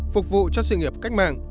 phục vụ cho sự nghiệp cách mạng